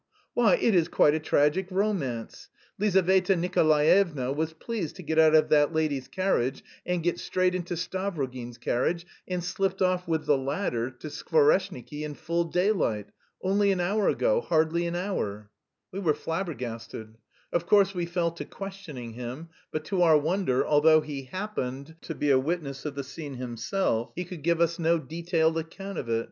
Why, it is quite a tragic romance: Lizaveta Nikolaevna was pleased to get out of that lady's carriage and get straight into Stavrogin's carriage, and slipped off with 'the latter' to Skvoreshniki in full daylight. Only an hour ago, hardly an hour." We were flabbergasted. Of course we fell to questioning him, but to our wonder, although he "happened" to be a witness of the scene himself, he could give us no detailed account of it.